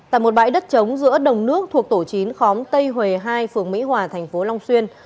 tại một bãi đất trống giữa đồng nước thuộc tổ chín khóm tây huê hai phường mỹ hòa thành phố long xuyên